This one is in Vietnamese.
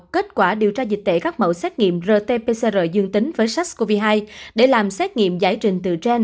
kết quả điều tra dịch tễ các mẫu xét nghiệm rt pcr dương tính với sars cov hai để làm xét nghiệm giải trình từ trên